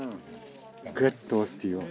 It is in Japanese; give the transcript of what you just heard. グッと押してよ。